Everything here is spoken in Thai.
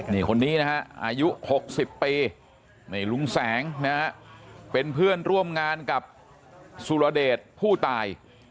นี่คนนี้นะฮะอายุ๖๐ปีนี่ลุงแสงนะฮะเป็นเพื่อนร่วมงานกับสุรเดชผู้ตาย